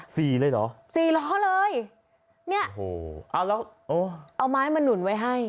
สี่เลยเหรอสี่ล้อเลยเอาไม้มาหนุนไว้ให้